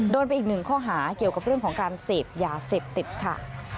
โดนไปอีกหนึ่งข้อหาเกี่ยวกับเรื่องของการเสพยาเสพติดค่ะ